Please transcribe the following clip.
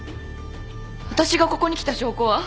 私がここに来た証拠は？